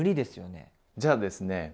じゃあですね